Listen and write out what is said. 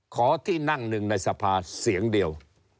ที่นั่งหนึ่งในสภาเสียงเดียว